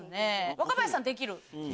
若林さん「できる」。